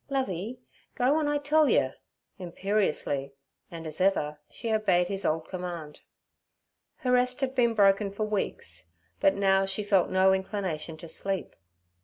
Lovey, go w'en I tell yer' imperiously; and, as ever, she obeyed his old command. Her rest had been broken for weeks, but now she felt no inclination to sleep.